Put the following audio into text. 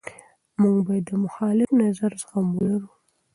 موږ باید د مخالف نظر زغم ولرو.